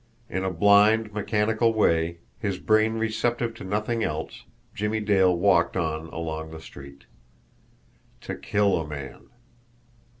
In a blind, mechanical way, his brain receptive to nothing else, Jimmie Dale walked on along the street. To kill a man!